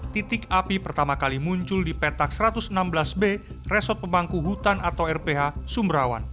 titik api pertama kali muncul di petak satu ratus enam belas b resort pemangku hutan atau rph sumberawan